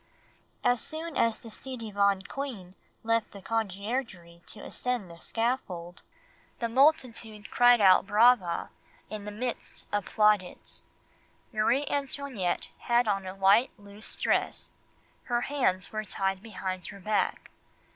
"As soon as the ci devant queen left the Conciergerie to ascend the scaffold, the multitude cried out brava in the midst of plaudits. Marie Antoinette had on a white loose dress, her hands were tied behind her back.